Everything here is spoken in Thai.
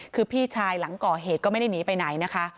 คือพี่ชายหลังก่อเหตุก็ไม่ได้หนีไปไหนนะคะ